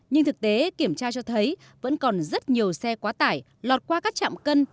nhưng thực tế kiểm tra cho thấy vẫn còn rất nhiều xe quá tải lọt qua các trạm cân